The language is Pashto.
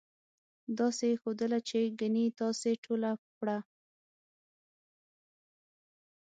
داسې یې ښودله چې ګنې تاسې ټوله پړه.